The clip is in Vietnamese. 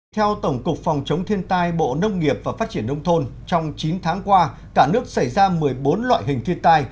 theo tổng cục phòng chống thiên tai bộ nông nghiệp và phát triển nông thôn trong chín tháng qua cả nước xảy ra một mươi bốn loại hình thiên tai